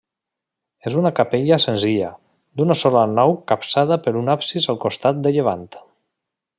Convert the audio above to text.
És una capella senzilla, d'una sola nau capçada per un absis al costat de llevant.